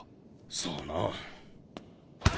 さあな。